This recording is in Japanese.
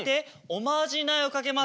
おまじないをかけます。